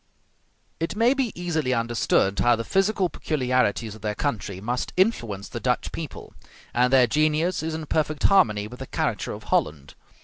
It may be easily understood how the physical peculiarities of their country must influence the Dutch people; and their genius is in perfect harmony with the character of Holland.